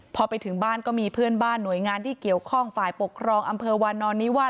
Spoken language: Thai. พอไปถึงบ้านก็มีเพื่อนบ้านหน่วยงานที่เกี่ยวข้องฝ่ายปกครองอำเภอวานอนนิวาส